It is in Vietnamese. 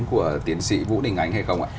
của tiến sĩ vũ đình ánh hay không ạ